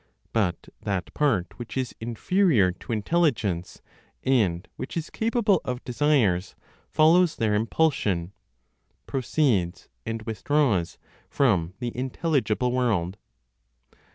But that part which is inferior to intelligence and which is capable of desires, follows their impulsion, "proceeds" and withdraws from the intelligible world.